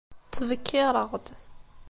Ttbekkiṛeɣ-d.